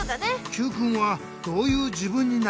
Ｑくんはどういう自分になりたい？